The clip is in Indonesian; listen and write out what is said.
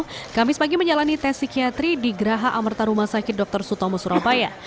keduanya mengaku dalam kondisi baik dan siap menjalani tes psikologi selama hampir lima jam di geraha amerta rumah sakit dr sutomo surabaya